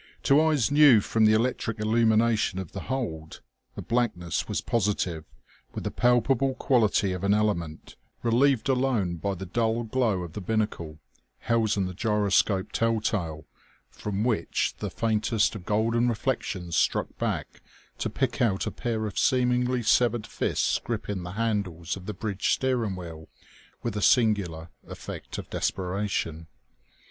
To eyes new from the electric illumination of the hold, the blackness was positive, with the palpable quality of an element, relieved alone by the dull glow of the binnacle housing the gyroscope telltale, from which the faintest of golden reflections struck back to pick out a pair of seemingly severed fists gripping the handles of the bridge steering wheel with a singular effect of desperation.